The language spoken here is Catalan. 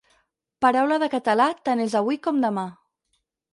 Paraula de català tant és avui com demà.